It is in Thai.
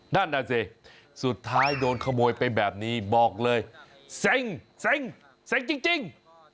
นั่นน่ะสิสุดท้ายโดนขโมยไปแบบนี้บอกเลยเซ็งเซ็งเซ็งจริง